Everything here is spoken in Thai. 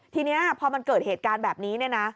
ทีนี้พอมันเกิดเหตุการณ์แบบนี้